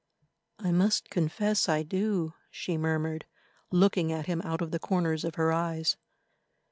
"I must confess I do," she murmured, looking at him out of the corners of her eyes.